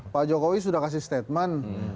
pak jokowi sudah kasih statement